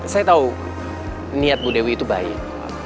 saya tahu niat bu dewi itu baik